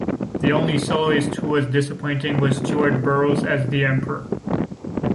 The only soloist who was disappointing was Stuart Burrows as the emperor.